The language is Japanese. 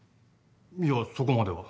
いやそこまでは。